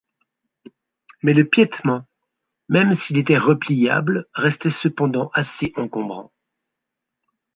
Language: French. Mais le piétement, même s'il était repliable, restait cependant assez encombrant...